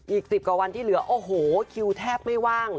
อีก๑๐กว่าวันที่เหลือโอ้โหคิวแทบไม่ว่าง